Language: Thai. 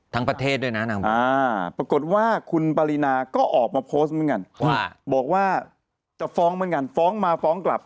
ประเทศด้วยนะนางปรากฏว่าคุณปรินาก็ออกมาโพสต์เหมือนกันบอกว่าจะฟ้องเหมือนกันฟ้องมาฟ้องกลับ